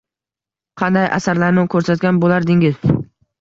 Qanday asarlarni ko‘rsatgan bo‘lardingiz?